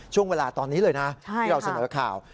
ช่วงเวลาตอนนี้เลยนะที่เราเสนอข่าว